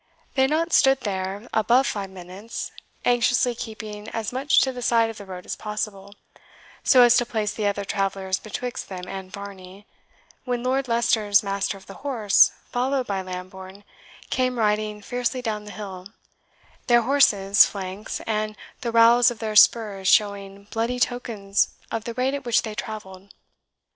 They had not stood there above five minutes, anxiously keeping as much to the side of the road as possible, so as to place the other travellers betwixt them and Varney, when Lord Leicester's master of the horse, followed by Lambourne, came riding fiercely down the hill, their horses' flanks and the rowels of their spurs showing bloody tokens of the rate at which they travelled.